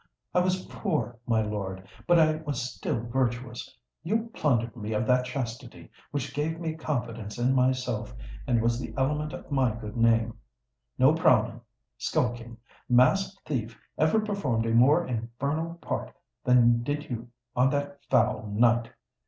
I was poor, my lord—but I was still virtuous:—you plundered me of that chastity which gave me confidence in myself and was the element of my good name! No prowling—skulking—masked thief ever performed a more infernal part than did you on that foul night!"